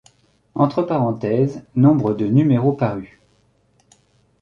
Entre parenthèses, nombre de numéros parus.